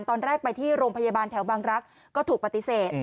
ตอนแรกไปที่โรงพยาบาลแถวบางรักษ์ก็ถูกปฏิเสธ